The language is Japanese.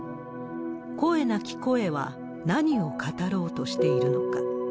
声なき声は、何を語ろうとしているのか。